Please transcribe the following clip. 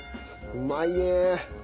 うまいね。